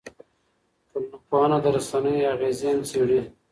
ټولنپوهنه د رسنیو اغېزې هم څېړي.